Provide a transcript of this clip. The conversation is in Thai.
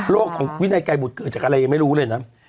โรควินัยไกายของกระปุกเกิดจากอะไรยังไม่รู้เลยนะ